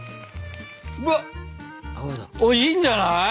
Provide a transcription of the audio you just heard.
うわっいいんじゃない？